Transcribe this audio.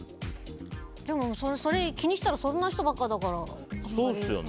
でも、それを気にしたらそんな人ばっかりだから。